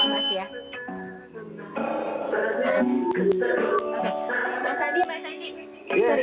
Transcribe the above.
mas andi mas andi